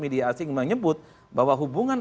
media asing menyebut bahwa hubungan